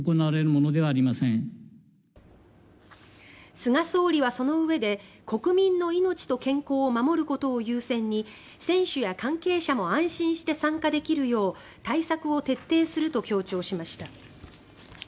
菅総理はそのうえで国民の命と健康を守ることを優先に選手や関係者も安心して参加できるよう対策を徹底すると強調しました。